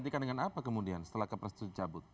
digantikan dengan apa kemudian setelah kepresiden dicabut